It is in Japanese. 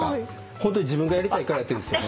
ホントに自分がやりたいからやってるんですよ。